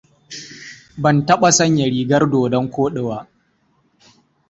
Ban taɓa sanya rigar dodon koɗi ba.